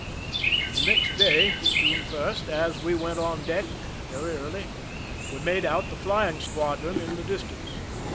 The next day (June 1), as we went on deck, very early, we made out the Flying Squadron in the distance.